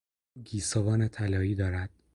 او گیسوان طلایی دارد.